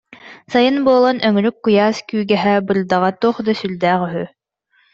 Сайын буолан, өҥүрүк куйаас күүгэһэ-бырдаҕа туох да сүрдээх үһү